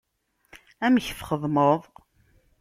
Amek txedmeḍ?